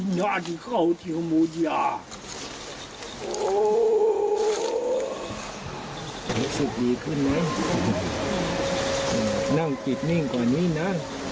นั่งจิตนิ่งกว่านี้นะ